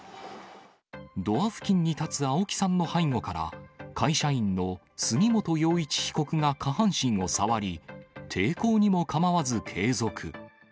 ドア付近に立つ青木さんの背後から、会社員の杉本洋一被告が下半身を触り、抵抗にも構わず継続。